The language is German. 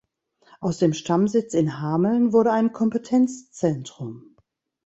Aus dem Stammsitz in Hameln wurde ein Kompetenzzentrum.